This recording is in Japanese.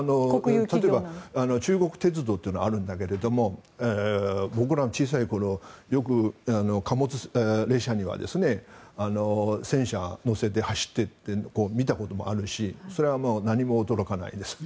例えば中国鉄道というのがあるんだけど僕らの小さい頃よく貨物列車には戦車を乗せて走っているのを見たことがあるしそれは何も驚かないです。